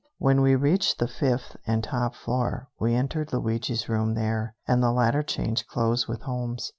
When we reached the fifth and top floor, we entered Luigi's room there, and the latter changed clothes with Holmes.